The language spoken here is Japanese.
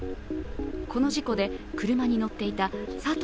この事故で車に乗っていた佐藤